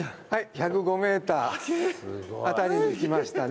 １０５メーター辺りに来ましたね。